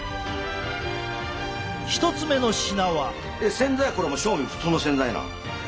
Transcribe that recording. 洗剤はこれ正味普通の洗剤なん？